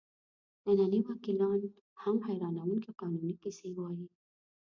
ننني وکیلان هم حیرانوونکې قانوني کیسې وایي.